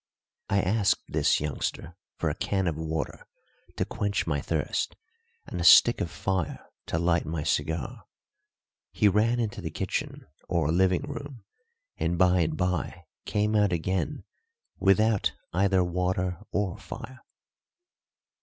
I asked this youngster for a can of water to quench my thirst and a stick of fire to light my cigar. He ran into the kitchen, or living room, and by and by came out again without either water or fire.